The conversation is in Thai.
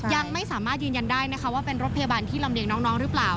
ยังไม่สามารถยืนยันได้นะคะว่าเป็นรถพยาบาลที่ลำเลียงน้องหรือเปล่า